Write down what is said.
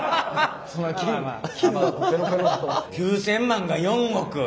９，０００万が４億。